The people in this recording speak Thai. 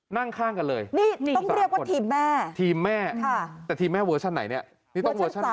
นั่งข้างกันเลยนี่นี่ต้องเรียกว่าทีมแม่ทีมแม่ค่ะแต่ทีมแม่เวอร์ชันไหนเนี้ย